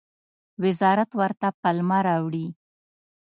وزارت ورته پلمه راوړي.